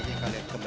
tidak ada apa apa